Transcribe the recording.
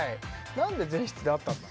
なんで前室で会ったんだ？